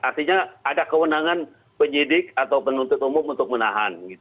artinya ada kewenangan penyidik atau penuntut umum untuk menahan